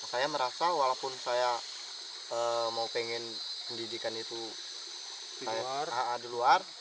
saya merasa walaupun saya mau pengen pendidikan itu di luar